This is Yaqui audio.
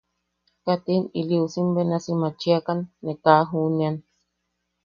Katim iliusim benasi machiakan, ne kaa juʼunean...